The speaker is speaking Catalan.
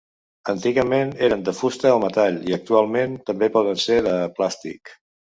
Antigament eren de fusta o metall i actualment també poden ser de plàstic.